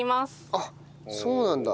あっそうなんだ。